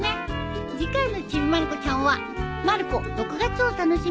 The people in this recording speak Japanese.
次回の『ちびまる子ちゃん』は。